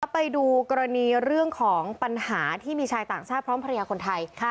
ไปดูกรณีเรื่องของปัญหาที่มีชายต่างชาติพร้อมภรรยาคนไทย